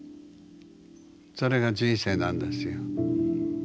それが人生なんですよ。